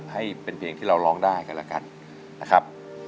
ให้เป็นเพลงที่เราร้องได้กันแล้วกันนะครับ